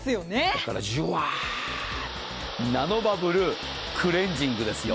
だからジュワ、ナノバブルクレンジングですよ。